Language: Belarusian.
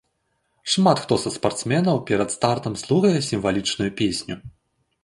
Шмат хто са спартсменаў перад стартам слухае сімвалічную песню.